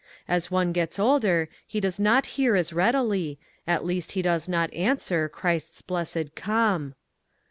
As one gets older he does not hear as readily, at least he does not answer, Christ's blessed "Come."